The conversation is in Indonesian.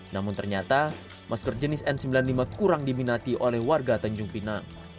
namun ternyata masker jenis n sembilan puluh lima kurang diminati oleh warga tanjung pinang